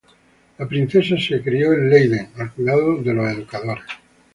La princesa se crio en Leiden al cuidado de los educadores.